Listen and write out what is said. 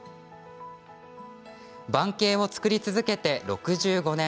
盤景を作り続けて６５年。